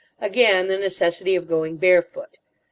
Again the necessity of going barefoot.